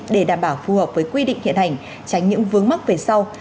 để đảm bảo phù hợp với quy định hiện hành tránh những vướng mắc về sau